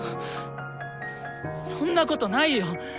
そんなことないよ！